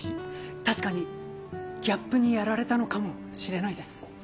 確かにギャップにやられたのかもしれないです。